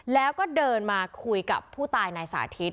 แล้วก็เดินมาคุยกับผู้ตายนายสาธิต